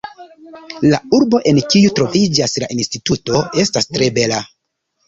La urbo, en kiu troviĝas la instituto, estas tre bela!